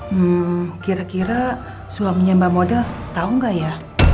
hmm kira kira suaminya mbak moda tau gak ya